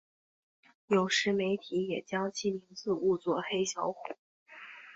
有时媒体也将其名字误作黑小虎。